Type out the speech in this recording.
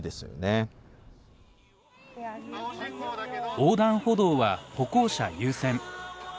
横断歩道は歩行者優先。